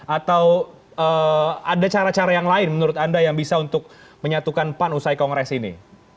atau ada cara cara yang lain menurut anda yang bisa untuk menyatukan pan usai kongres ini